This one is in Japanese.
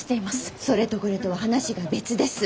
それとこれとは話が別です。